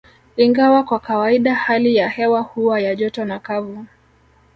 Ingawa kwa kawaida hali ya hewa huwa ya joto na kavu